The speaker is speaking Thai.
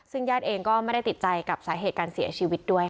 ซึ่งญาติเองก็ไม่ได้ติดใจกับสาเหตุการเสียชีวิตด้วยค่ะ